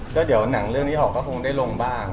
ก็เดี๋ยวหนังเรื่องนี้ออกก็คงได้ลงบ้าง